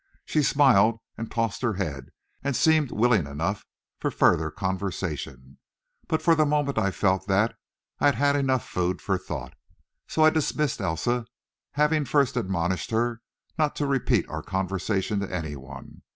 She smiled and tossed her head, and seemed willing enough for further conversation, but for the moment I felt that I had enough food for thought. So I dismissed Elsa, having first admonished her not to repeat our conversation to any one.